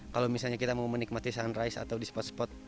kalau misalnya kita mau menikmati sunrise atau di spot spot